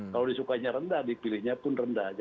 kalau disukainya rendah dipilihnya pun rendah